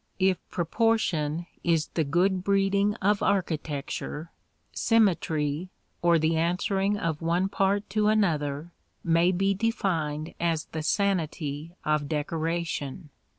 If proportion is the good breeding of architecture, symmetry, or the answering of one part to another, may be defined as the sanity of decoration.